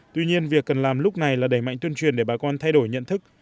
tuy nhiên việc cần làm lúc này là đẩy mạnh tuyên truyền để bà con thay đổi nhận thức